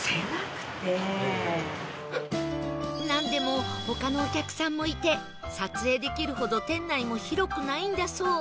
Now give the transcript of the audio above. なんでも他のお客さんもいて撮影できるほど店内も広くないんだそう